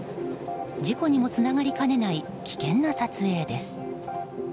事故にもつながりかねない危険な撮影です。